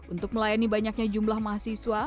untuk melayani banyaknya jumlah mahasiswa